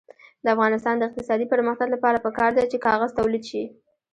د افغانستان د اقتصادي پرمختګ لپاره پکار ده چې کاغذ تولید شي.